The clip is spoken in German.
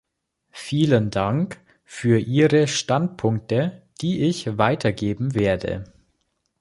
Vielen Dank für ihre Standpunkte, die ich weitergeben werde.